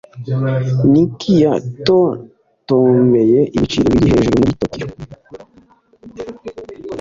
nick yantotombeye ibiciro biri hejuru muri tokiyo